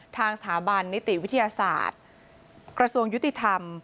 ทางสถาบันนิติวิทยาศาสตร์กระทรวงยุติธรรม